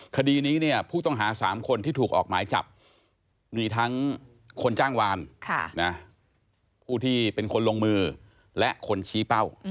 คดีนี้เนี่ยผู้ต้องหา๓คนที่ถูกออกหมายจับมีทั้งคนจ้างวานผู้ที่เป็นคนลงมือและคนชี้เป้า